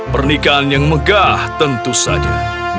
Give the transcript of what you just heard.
pernikahan yang megah tentu saja